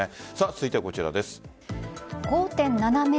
続いてはこちらです。